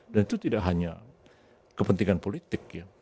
dan itu tidak hanya kepentingan politik